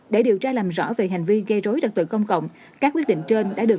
để điều tra làm rõ về hành vi gây rối tật tự công cộng các quyết định trên đã được